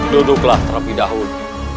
duduklah terapi dahulu